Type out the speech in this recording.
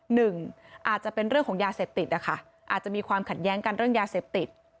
หนึ่งอาจจะเป็นเรื่องของยาเสพติดนะคะอาจจะมีความขัดแย้งกันเรื่องยาเสพติด